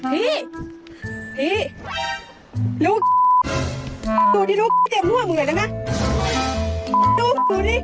พี่พี่ลูกตัวนี้ลูกเต็มหัวเหมือนนะลูกตัวนี้